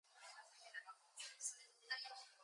The Worksop plant produces Oxo cubes.